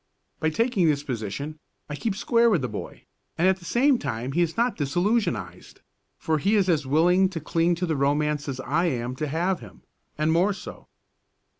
By taking this position I keep square with the boy, and at the same time he is not disillusionised, for he is as willing to cling to the romance as I am to have him and more so.